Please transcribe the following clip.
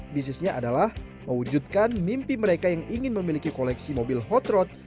bisnisnya adalah mewujudkan mimpi mereka yang ingin memiliki koleksi mobil hot road